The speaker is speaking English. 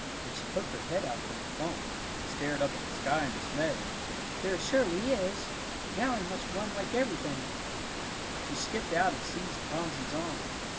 and she poked her head out from her clump, and stared up at the sky in dismay. "There surely is! Now we must run home like everything." She skipped out and seized Phronsie's arm.